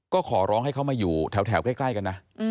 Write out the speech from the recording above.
ก็ขอร้องให้เขามาอยู่แถวใกล้กันนะ